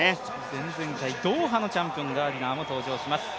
前々回ドーハのチャンピオンガーディナーも出場しています。